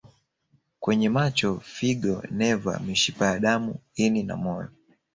kwenye macho figo neva mishipa ya damu ini na moyo